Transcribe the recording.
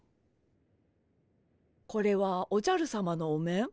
これはおじゃるさまのお面？